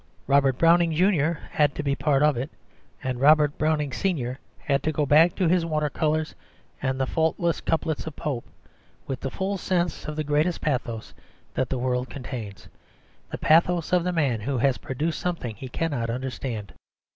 Robert Browning junior had to be a part of it, and Robert Browning senior had to go back to his water colours and the faultless couplets of Pope with the full sense of the greatest pathos that the world contains, the pathos of the man who has produced something that he cannot understand.